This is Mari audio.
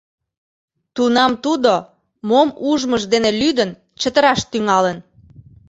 Тунам тудо, мом ужмыж дене лӱдын, чытыраш тӱҥалын.